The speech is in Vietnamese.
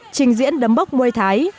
trình diễn đấm bốc môi thái